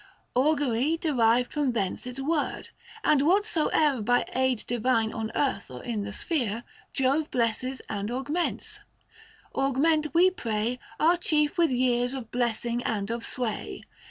Augury 655 Derived from thence its word ; and whatsoe'er By aid divine on earth or in the sphere Jove blesses and augments. Augment we pray Our chief with years of blessing and of sway.